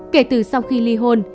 kể từ sau khi ly hôn